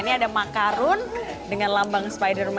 ini ada makarun dengan lambang spider